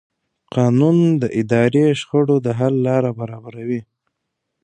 قانون د اداري شخړو د حل لاره برابروي.